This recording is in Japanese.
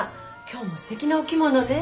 今日もすてきなお着物ね。